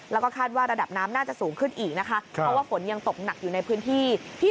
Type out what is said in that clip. แล้วก็คาดว่าระดับน้ำน่าจะสูงขึ้นอีกนะคะเพราะว่าฝนยังตกหนักอยู่ในพื้นที่ที่